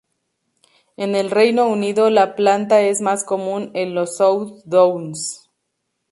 En el Reino Unido la planta es más común en los South Downs.